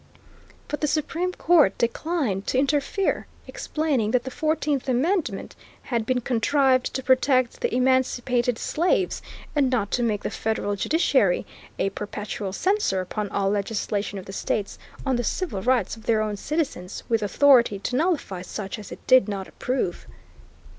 But the Supreme Court declined to interfere, explaining that the Fourteenth Amendment had been contrived to protect the emancipated slaves, and not to make the federal judiciary "a perpetual censor upon all legislation of the states, on the civil rights of their own citizens, with authority to nullify such as it did not approve."